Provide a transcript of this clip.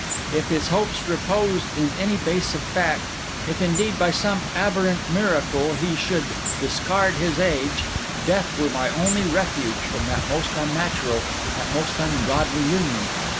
If his hopes reposed on any base of fact, if indeed, by some abhorrent miracle, he should discard his age, death were my only refuge from that most unnatural, that most ungodly union.